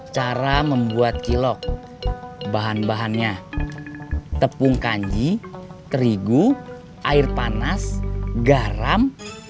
cara membuat kilok bahan bahannya tepung kanji terigu air panas garam